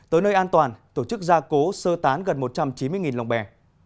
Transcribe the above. tới nơi an toàn tổ chức gia cố sơ tán gần một trăm chín mươi lòng bè